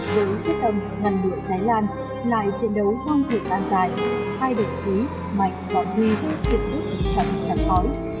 với quyết tâm ngăn lửa cháy lan lại chiến đấu trong thời gian dài hai đồng chí mạnh và huy kịp sức bằng sản khói